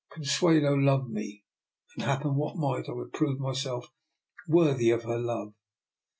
Consuelo loved me, and happen what might I would prove myself worthy of her love.